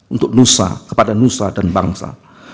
untuk nusa kepada nusa dan bangsa